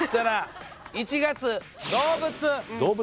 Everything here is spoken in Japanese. １月動物。